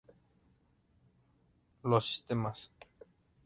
Los sistemas